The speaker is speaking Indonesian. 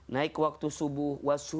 naik waktu subuh